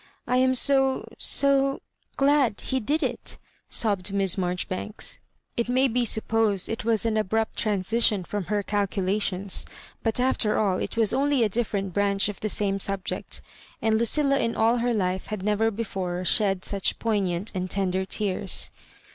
I am so — ^so — glad he did it" sobbed Miss Maijoribanks. It may be supposed it was an abrupt transition from her calculations; but after all it was onlv a different branch of the same Digitized by VjOOQIC MISS MABJOBIBANKS. 163 subject; and Lucilla in all her life had never before shed such poignant and tender tears.